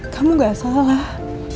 kamu gak salah